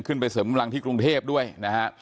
ขึ้นไปเสริมกำลังที่กรุงเทพด้วยนะฮะ